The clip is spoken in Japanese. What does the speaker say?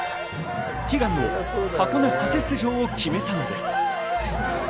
悲願の箱根初出場を決めたのです。